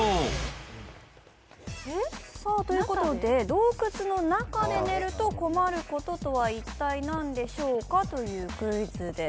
洞窟の中で寝ると困ることとは一体何でしょうかというクイズです。